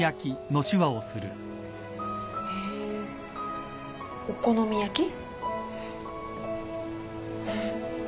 へぇお好み焼き？